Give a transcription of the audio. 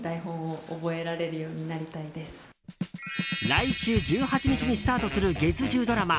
来週１８日にスタートする月１０ドラマ